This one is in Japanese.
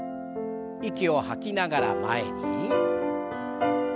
息を吐きながら前に。